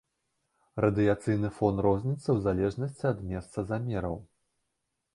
Радыяцыйны фон розніцца ў залежнасці ад месца замераў.